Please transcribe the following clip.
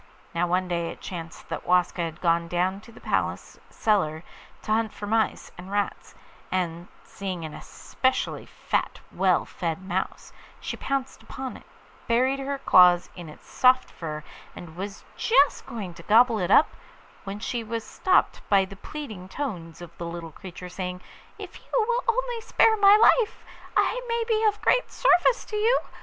Now one day it chanced that Waska had gone down to the palace cellar to hunt for mice and rats, and seeing an especially fat, well fed mouse, she pounced upon it, buried her claws in its soft fur, and was just going to gobble it up, when she was stopped by the pleading tones of the little creature, saying, 'If you will only spare my life I may be of great service to you.